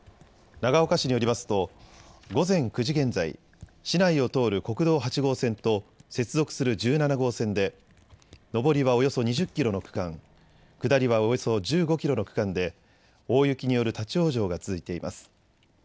長岡市によりますと午前９時現在、市内を通る国道８号線と接続する１７号線で上りはおよそ２０キロの区間、下りはおよそ１５キロの区間で大雪による立往生が続いています。